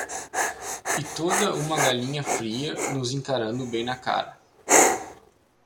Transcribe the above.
E toda uma galinha fria nos encarando bem na cara.